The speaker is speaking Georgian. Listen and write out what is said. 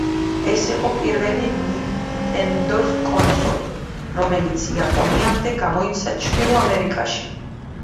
ეს იყო პირველი ნინტენდოს კონსოლი, რომელიც იაპონიამდე გამოიცა ჩრდილო ამერიკაში.